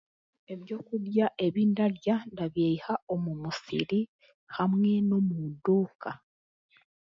Eby'okurya ebindarya ndabyiha omu musiiri hamwe n'omuduuka.